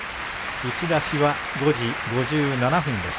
打ち出しは５時５７分です。